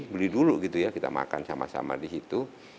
beli dulu gitu ya kita makan sama sama di situ